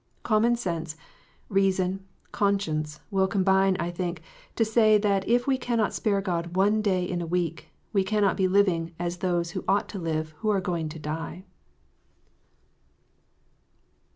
Common sense, reason, conscience, will combine, I think, to say, that if we cannot spare God one day in a week, we cannot be living as those ought to live who are going to die.